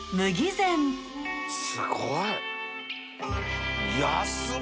すごい。